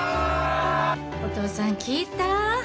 お父さん聞いた？